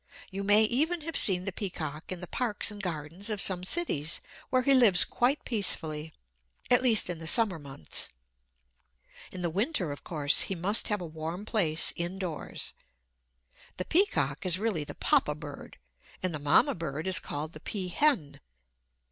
You may even have seen the peacock in the parks and gardens of some cities, where he lives quite peacefully, at least in the summer months. In the winter, of course, he must have a warm place indoors. The peacock is really the Papa bird, and the Mamma bird is called the peahen.